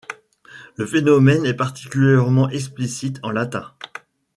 Le phénomène est particulièrement explicite en latin.